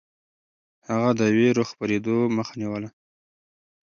هغه د وېرو خپرېدو مخه نيوله.